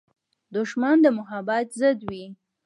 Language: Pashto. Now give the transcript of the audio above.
دښمن د محبت ضد وي